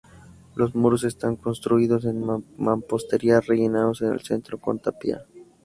Los muros están construidos en mampostería rellenados en el centro con tapial.